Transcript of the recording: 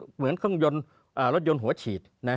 เหมือนรถยนต์หัวฉีด